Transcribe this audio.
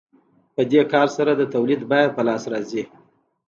په دې کار سره د تولید بیه په لاس راځي